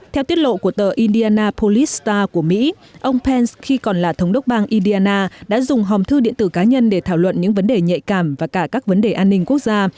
theo tiết lộ của tờ indiana polista của mỹ ông pence khi còn là thống đốc bang indiana đã dùng hòm thư điện tử cá nhân để thảo luận những vấn đề nhạy cảm và cả các vấn đề an ninh quốc gia